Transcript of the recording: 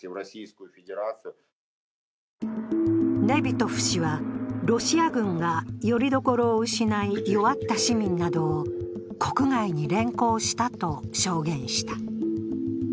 ネビトフ氏はロシア軍がよりどころを失い弱った市民などを国外に連行したと証言した。